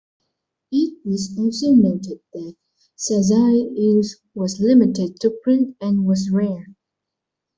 It was also noted that shazai use was limited to print and was rare.